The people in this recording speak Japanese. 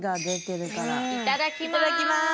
いただきます。